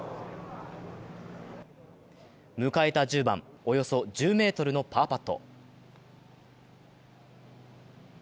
迎えた１０番、およそ１０ｍのパーパット。